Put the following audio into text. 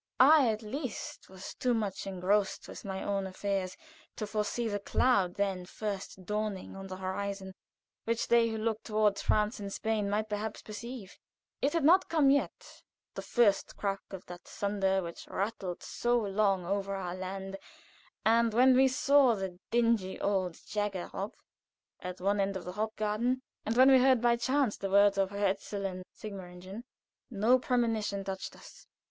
I at least was too much engrossed with my own affairs to foresee the cloud then first dawning on the horizon, which they who looked toward France and Spain might perhaps perceive. It had not come yet the first crack of that thunder which rattled so long over our land, and when we saw the dingy old Jäger Hof at one end of the Hofgarten, and heard by chance the words of Hohenzollern Sigmaringen, no premonition touched us.